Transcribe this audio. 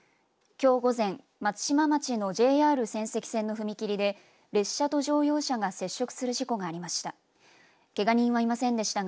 きょう午前、松島町のＪＲ仙石線の踏切で列車と乗用車が接触する事故がありました。